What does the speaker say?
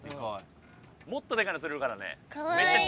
もっとでかいのそれいるからね。